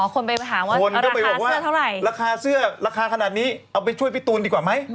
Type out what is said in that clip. อ๋อคนไปหาว่าราคาเสื้อเท่าไหร่คนก็ไปบอกว่าราคาเสื้อราคาขนาดนี้เอาไปช่วยพี่ตูนดีกว่าไหม